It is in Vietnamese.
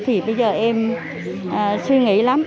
thì bây giờ em suy nghĩ lắm